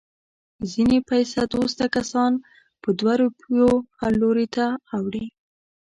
ځنې پیسه دوسته کسان په دوه روپیو هر لوري ته اوړي.